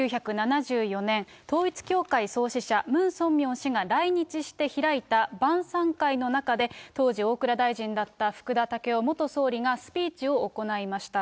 １９７４年、統一教会創始者、ムン・ソンミョン氏が来日して開いた晩さん会の中で、当時、大蔵大臣だった福田赳夫元総理がスピーチを行いました。